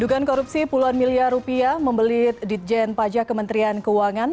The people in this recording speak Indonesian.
dugaan korupsi puluhan miliar rupiah membelit ditjen pajak kementerian keuangan